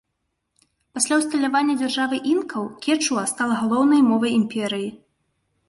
Пасля ўсталявання дзяржавы інкаў кечуа стала галоўнай мовай імперыі.